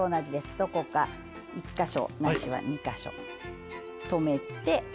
どこか１か所ないしは２か所留めて。